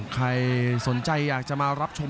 ใครสนใจอยากจะมารับชม